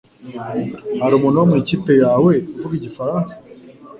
Hari umuntu wo mu ikipe yawe uvuga igifaransa?